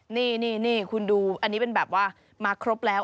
นี่คุณดูอันนี้เป็นแบบว่ามาครบแล้ว